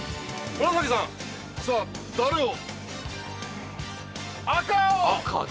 紫さんさあ誰を？